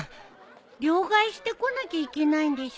両替してこなきゃいけないんでしょ？